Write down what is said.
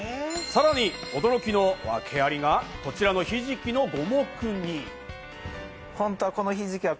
さらに驚きのワケアリが、こちらのひじきの五目煮。